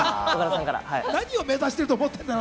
何を目指してると思ってんだ